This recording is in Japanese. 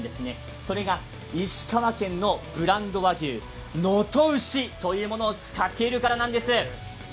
それが石川県のブランド和牛、能登牛を使っているからです。